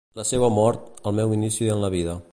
La seua mort, el meu inici en la vida.